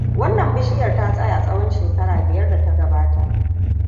Wannan bishiyar ta tsaya tsawan shekera biyar data gabata.